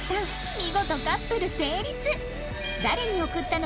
見事カップル成立